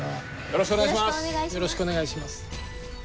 よろしくお願いします。